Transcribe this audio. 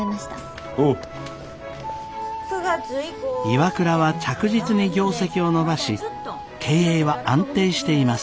ＩＷＡＫＵＲＡは着実に業績を伸ばし経営は安定しています。